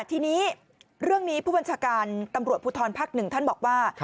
ทีนี้เรื่องนี้ผู้บัญชาการตำรวจภูทรภักดิ์๑ท่านบอกว่า